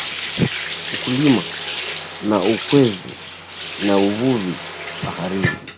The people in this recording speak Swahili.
Ukulima na ukwezi, na uvuvi baharini